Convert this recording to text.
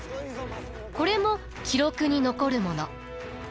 これも記録に残るもの。